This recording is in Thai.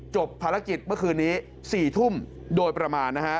จบภารกิจเมื่อคืนนี้๔ทุ่มโดยประมาณนะฮะ